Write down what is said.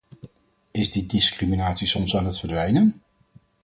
Is die discriminatie soms aan het verdwijnen?